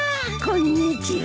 こんにちは。